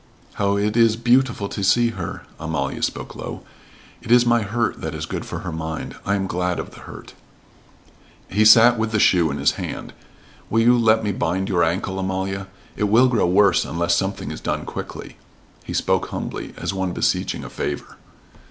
"How it is beautiful to see her!" Amalia spoke low. "It is my hurt that is good for her mind. I am glad of the hurt." He sat with the shoe in his hand. "Will you let me bind your ankle, Amalia? It will grow worse unless something is done quickly." He spoke humbly, as one beseeching a favor.